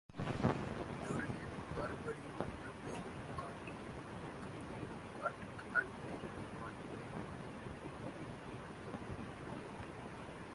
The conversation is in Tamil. துரியன் மறுபடியும் நம்மைக் காட்டுக்கு அனுப்பி விடுவான்.